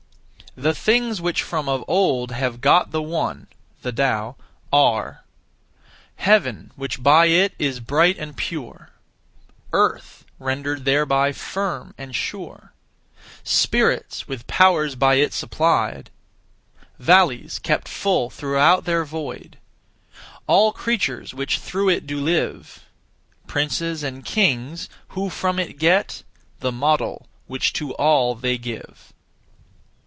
The things which from of old have got the One (the Tao) are Heaven which by it is bright and pure; Earth rendered thereby firm and sure; Spirits with powers by it supplied; Valleys kept full throughout their void All creatures which through it do live Princes and kings who from it get The model which to all they give.